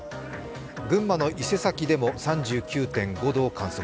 群馬の伊勢崎でも３９．５度を観測。